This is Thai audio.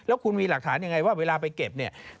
แล้วคุณมีหลักฐานยังไงว่าเวลาไปเก็บเนี่ย